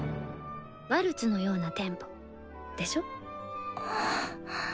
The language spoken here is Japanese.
「ワルツのようなテンポ」でしょ？